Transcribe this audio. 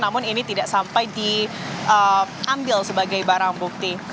namun ini tidak sampai diambil sebagai barang bukti